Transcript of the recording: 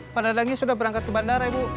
pak dadangnya sudah berangkat ke bandara ibu